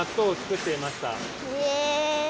へえ！